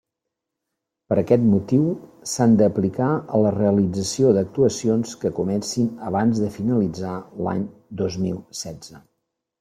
Per aquest motiu, s'han d'aplicar a la realització d'actuacions que comencin abans de finalitzar l'any dos mil setze.